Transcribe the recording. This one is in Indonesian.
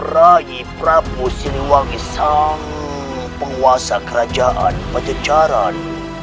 rai prabu siliwangi sang penguasa kerajaan pancacaran